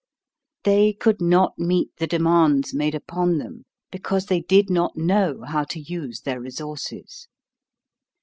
They could not meet the demands made upon them, because they did not know how to use their resources.